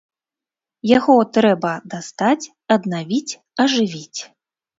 Яго трэба дастаць, аднавіць, ажывіць.